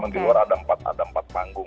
karena memang di luar ada empat panggung